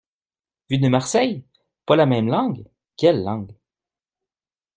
Vu de Marseille? Pas la même langue ? Quelle langue ?